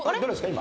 今。